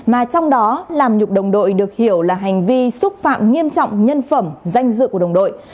mà trong đó làm nhục đồng đội được hiểu là hành vi xúc phạm nghiêm trọng nhân phẩm danh dự của đồng đội